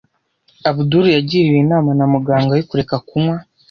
Abudul yagiriwe inama na muganga we kureka kunywa.